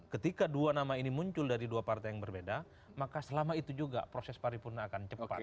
ketika dua nama ini muncul dari dua partai yang berbeda maka selama itu juga proses paripurna akan cepat